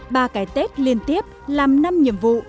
ba cái tết liên tiếp làm năm nhiệm vụ